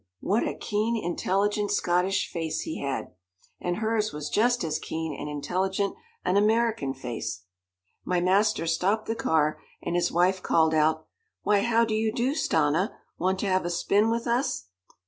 what a keen, intelligent Scottish face he had, and hers was just as keen and intelligent an American face. My master stopped the car, and his wife called out, "Why, how do you do, Stanna want to have a spin with us?"